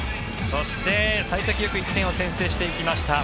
そして幸先よく１点を先制していきました。